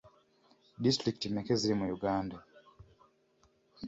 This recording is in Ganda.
Disitulikiti mmeka eziri mu Uganda?